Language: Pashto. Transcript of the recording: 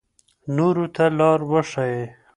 نورو ته لار وښایئ.